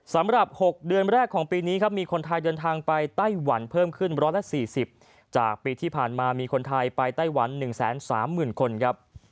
สำหรับ๖เดือนแรกของปีนี้ครับมีคนไทยเดินทางไปไต้หวันเพิ่มขึ้น๑๔๐จากปีที่ผ่านมามีคนไทยไปไต้หวัน๑๓๐๐๐คนครับ